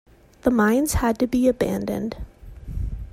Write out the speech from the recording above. The mines had to be abandoned.